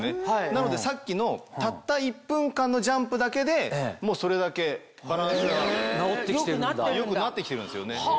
なのでさっきのたった１分間のジャンプだけでそれだけバランスが良くなって来てるんですよね